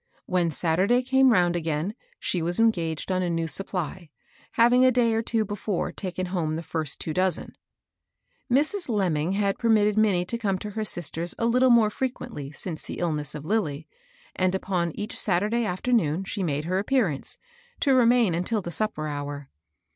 When Saturday came round again she was engaged on a new supply, having a day or two before taken home the first two dozen. Mrs. Lemming had permitted Minnie to come to her sister's a little more frequently since the illness of Lilly, and upon each Saturday after noon she made her appearance, to remain until the supper hour.